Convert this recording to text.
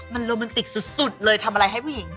มันโรแมนติกสุดเลยทำอะไรให้ผู้หญิง